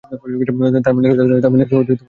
তামিলনাড়ুতে অনেক সাহায্য করেছে আমাকে।